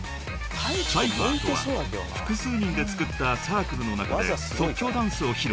［サイファーとは複数人で作ったサークルの中で即興ダンスを披露］